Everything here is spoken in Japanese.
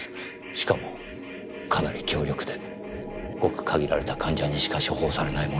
しかもかなり強力でごく限られた患者にしか処方されないものです。